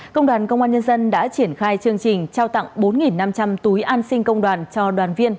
công đoàn công an nhân dân đã triển khai chương trình trao tặng bốn năm trăm linh túi an sinh công đoàn cho đoàn viên